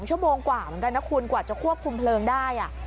ชั่วโมงกว่าเหมือนกันนะคุณกว่าจะควบคุมเพลิงได้